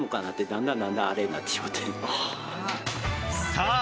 さあ